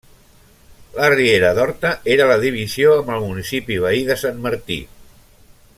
La riera d'Horta era la divisió amb el municipi veí de Sant Martí.